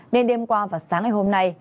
nên đêm qua và sáng ngày hôm nay